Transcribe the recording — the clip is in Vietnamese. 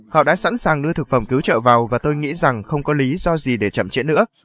họ đã sẵn sàng đưa thực phẩm cứu trợ vào và tôi nghĩ rằng không có lý do gì để chậm chẽ nữa